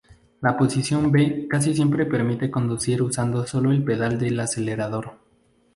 La posición B casi permite conducir usando sólo el pedal del acelerador.